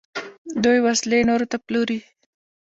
دوی وسلې نورو ته پلوري.